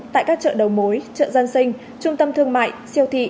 tại các chợ đầu mối chợ dân sinh trung tâm thương mại siêu thị